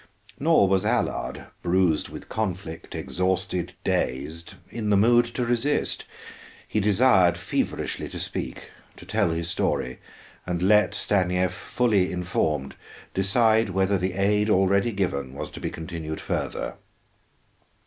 Nor was Allard, bruised with conflict, exhausted, dazed, in the mood to resist. He desired feverishly to speak; to tell his story and let Stanief, fully informed, decide whether the aid already given was to be continued further.